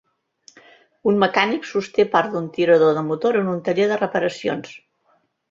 Un mecànic sosté part d'un tirador de motor en un taller de reparacions.